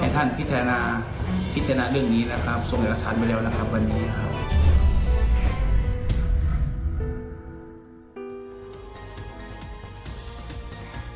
ให้ท่านพิจารณาเรื่องนี้นะครับส่งเอกสารไปแล้วนะครับวันนี้ครับ